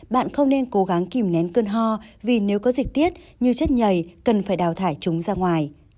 bạn không nên cố gắng kìm nén cơn ho vì nếu có dịch tiết như chất nhầy cần phải đào thải chúng ra ngoài